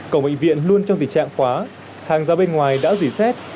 cổng bệnh viện luôn trong tình trạng quá hàng giao bên ngoài đã dì xét